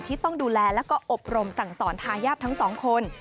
ที่ต้องดูแลแล้วก็อบรมสั่งสอนทายาททั้งสองคน